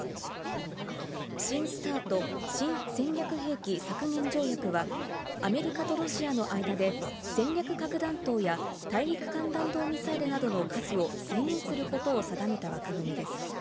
新ＳＴＡＲＴ＝新戦略兵器削減条約はアメリカとロシアの間で戦略核弾頭や大陸間弾道ミサイルなどの数を制限することを定めた枠組みです。